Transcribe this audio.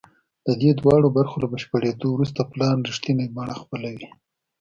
د دې دواړو برخو له بشپړېدو وروسته پلان رښتینې بڼه خپلوي